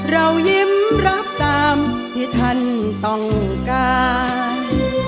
เรายิ้มรับตามที่ท่านต้องการ